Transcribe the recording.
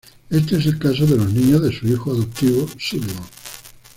Este es el caso de los niños de su hijo adoptivo Sullivan.